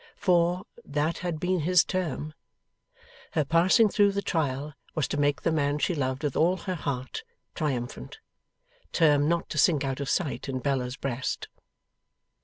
For, that had been his term. Her passing through the trial was to make the man she loved with all her heart, triumphant. Term not to sink out of sight in Bella's breast.